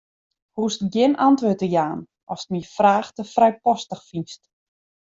Hoechst gjin antwurd te jaan ast myn fraach te frijpostich fynst.